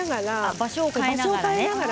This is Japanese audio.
場所を変えながら。